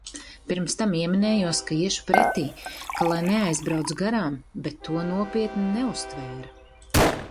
Pirms tam ieminējos, ka iešu pretī, ka lai neaizbrauc garām, bet to nopietni neuztvēra.